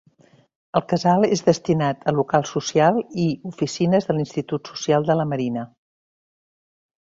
El casal és destinat a local social i oficines de l'Institut Social de la Marina.